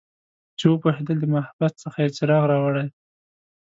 چې وپوهیدل د محبس څخه یې څراغ راوړي